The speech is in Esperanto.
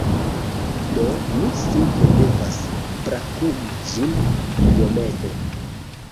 Do, mi simple devas brakumi ŝin iomete